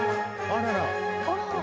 あら！